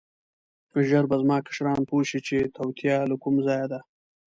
ژر به زما کشران پوه شي چې توطیه له کوم ځایه ده.